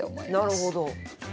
なるほど。